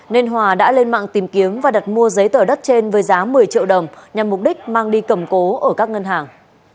nên hòa đã lên mạng tìm kiếm và đặt mua giấy tờ đất trên với giá một mươi triệu đồng nhằm mục đích mang đi cầm cố ở các ngân hàng